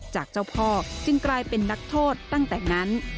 จากเจ้าพ่อจึงกลายเป็นนักโทษตั้งแต่นั้น